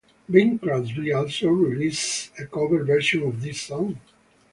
Bing Crosby also released a cover version of this song.